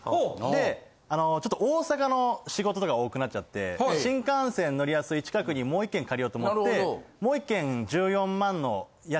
でちょっと大阪の仕事とか多くなっちゃって新幹線乗りやすい近くにもう１軒借りようと思ってもう１軒。